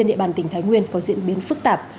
địa bàn tỉnh thái nguyên có diễn biến phức tạp